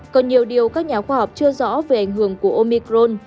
còn nhiều điều các nhà khoa học chưa rõ về ảnh hưởng của omicron